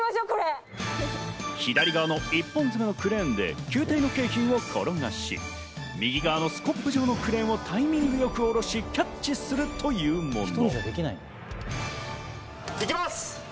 左側の１本ヅメのクレーンで球体景品を転がし、右側のスコップ状のクレーンをタイミングよくおろし、キャッチするというもの。